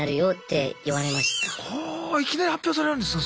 いきなり発表されるんですか。